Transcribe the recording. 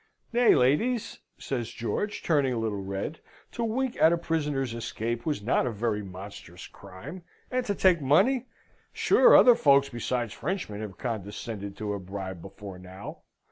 "Nay, ladies," says George, turning a little red, "to wink at a prisoner's escape was not a very monstrous crime; and to take money? Sure other folks besides Frenchmen have condescended to a bribe before now.